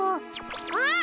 あっ！